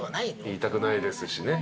言いたくないですよね。